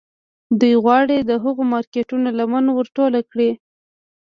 دوی غواړي د هغو مارکيټونو لمن ور ټوله کړي.